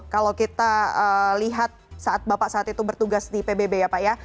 kalau kita lihat saat bapak saat itu bertugas di pbb ya pak ya